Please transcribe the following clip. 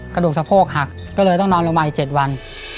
กระดูกสะโพกหักก็เลยต้องนอนลงไปอีก๗วัน